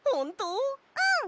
うん！